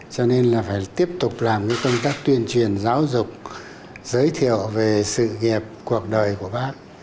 cho nên là phải tiếp tục làm cái công tác tuyên truyền giáo dục giới thiệu về sự nghiệp cuộc đời của bác